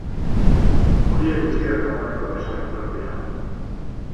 Horiek guztiak dagoeneko desagertuak dira.